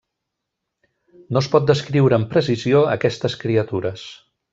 No es pot descriure amb precisió aquestes criatures.